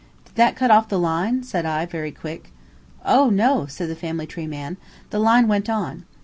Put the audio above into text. "Did that cut off the line?" said I, very quick. "Oh, no," said the family tree man, "the line went on.